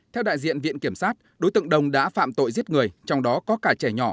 theo đại diện viện kiểm sát đối tượng đồng đã phạm tội giết người trong đó có cả trẻ nhỏ